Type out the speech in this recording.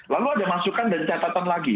lalu ada masukan dan catatan lagi